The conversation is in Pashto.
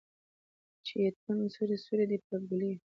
چې یې تن سوری سوری دی پر ګولیو